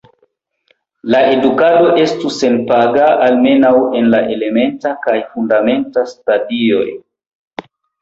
La edukado estu senpaga, almenaŭ en la elementa kaj fundamenta stadioj.